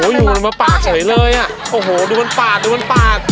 โหอยู่มันมาปากสวยเลยอะโอ้โหดูมันปาก